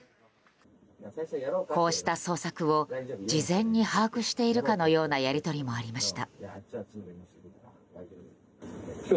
こうした捜索を事前に把握しているかのようなやりとりもありました。